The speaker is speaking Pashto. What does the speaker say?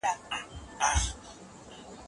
کور د خلکو له خوا جوړ شو.